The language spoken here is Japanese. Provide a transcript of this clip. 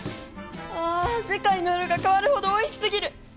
ああ世界の色が変わるほどおいしすぎる！